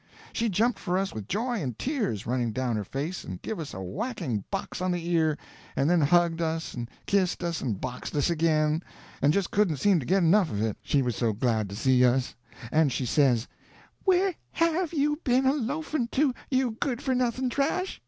She jumped for us with joy and tears running down her face and give us a whacking box on the ear, and then hugged us and kissed us and boxed us again, and just couldn't seem to get enough of it, she was so glad to see us; and she says: "Where have you been a loafing to, you good for nothing trash!